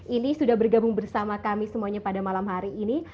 ini sudah bergabung bersama kami semuanya pada malam hari ini